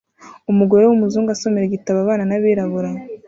Umugore w'umuzungu asomera igitabo abana b'abirabura